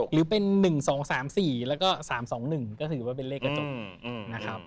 หรือเป็น๑๒๓๔แล้วก็๓๒๑ก็ถือว่าเป็นเลขกระจกนะครับ